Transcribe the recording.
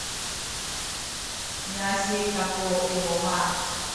miasik kaku i luma’.